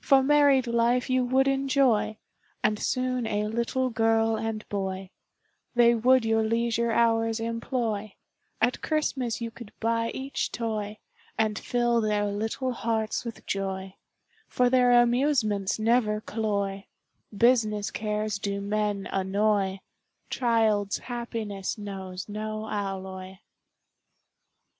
For married life you would enjoy, And soon a little girl and boy, They would your leisure hours employ, At Christmas you could buy each toy, And fill their little hearts with joy, For their amusements never cloy, Business cares do men annoy, Child's happiness knows no alloy.